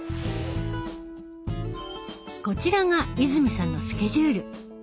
こちらが泉さんのスケジュール。